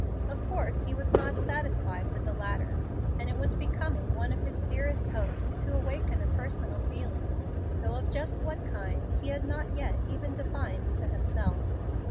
Of course he was not satisfied with the latter, and it was becoming one of his dearest hopes to awaken a personal feeling, though of just what kind he had not yet even defined to himself.